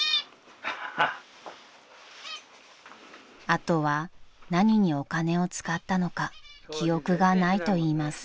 ［あとは何にお金を使ったのか記憶がないといいます］